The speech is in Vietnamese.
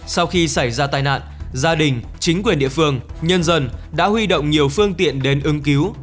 sau khi xảy ra tai nạn gia đình chính quyền địa phương nhân dân đã huy động nhiều phương tiện đến ưng cứu